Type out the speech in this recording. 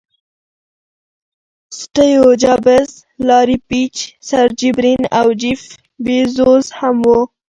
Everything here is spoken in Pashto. سټیو جابز، لاري پیج، سرجي برین او جیف بیزوز هم وو.